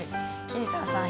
桐沢さん